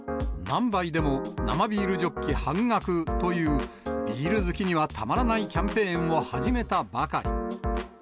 何杯でも生ビールジョッキ半額という、ビール好きにはたまらないキャンペーンを始めたばかり。